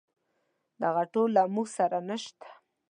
دغه ټول له موږ سره نشته.